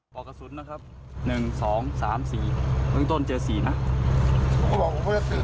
ปลอกกระสุนนะครับหนึ่งสอง๓สี่เมื่อกี้ต้นเจอ๔น่ะ